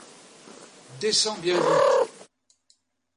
Descends bien vite.